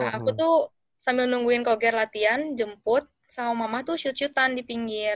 aku tuh sambil nungguin koger latihan jemput sama mama tuh syut syutan di pinggir